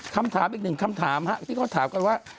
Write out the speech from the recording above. คำถามอีกหนึ่งคำถามที่เขาถามกันว่า